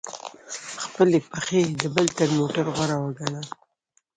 خپلي پښې د بل تر موټر غوره وګڼه!